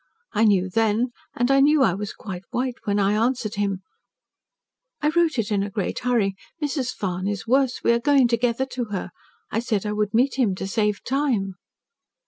I knew then, and I knew I was quite white when I answered him: "'I wrote it in a great hurry, Mrs. Farne is worse. We are going together to her. I said I would meet him to save time.'